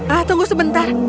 ah tunggu sebentar